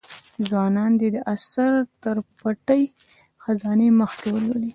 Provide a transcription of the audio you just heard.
ځوانان دي دا اثر تر پټې خزانې مخکې ولولي.